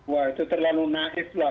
wah itu terlalu naif lah